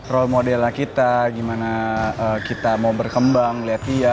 role modelnya kita gimana kita mau berkembang lihat dia